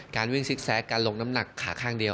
การวิ่งซิกแซคการลงน้ำหนักขาข้างเดียว